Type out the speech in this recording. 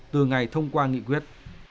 từ ngày thông qua nghị quyết